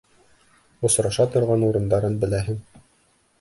Осраша торған урындарын беләһең.